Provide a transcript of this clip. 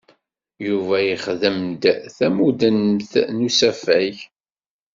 Yuba ixdem-d tamudemt n usafag.